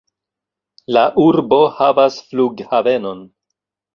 La urbo havas flughavenon.